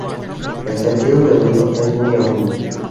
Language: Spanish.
El sentido del oído es muy agudo.